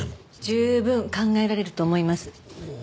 十分考えられると思います。